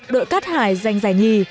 đội cát hải giành giải nhì